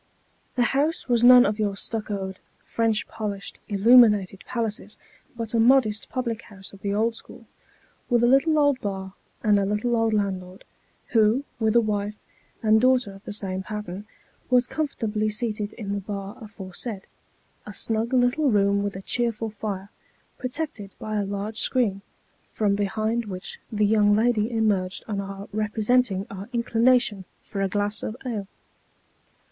The house was none of your stuccoed, French polished, illuminated palaces, but a modest public house of the old school, with a little old bar, and a little old landlord, who, with a wife and daughter of the same pattern, was comfortably seated in the bar aforesaid a snug little room with a cheerful fire, protected by a large screen : from behind which the young lady emerged on our represent ing our inclination for a glass of ale.